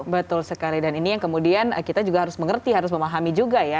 betul sekali dan ini yang kemudian kita juga harus mengerti harus memahami juga ya